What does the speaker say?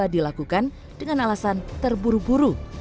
dilakukan dengan alasan terburu buru